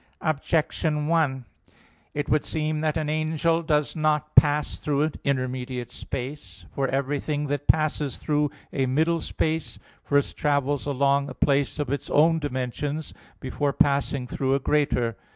Objection 1: It would seem that an angel does not pass through intermediate space. For everything that passes through a middle space first travels along a place of its own dimensions, before passing through a greater.